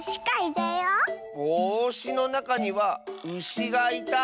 「ぼうし」のなかには「うし」がいた。